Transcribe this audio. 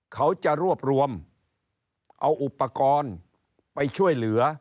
เขาจะรวบรวมเอาอุปกรณ์ไปช่วยเหลือ